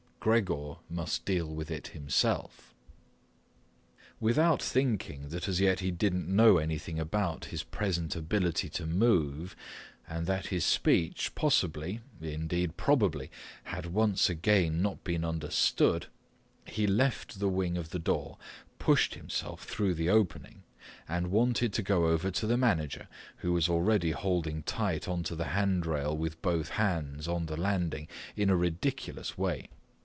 Gregor must deal with it himself. Without thinking that as yet he didn't know anything about his present ability to move and that his speech possibly—indeed probably—had once again not been understood, he left the wing of the door, pushed himself through the opening, and wanted to go over to the manager, who was already holding tight onto the handrail with both hands on the landing in a ridiculous way.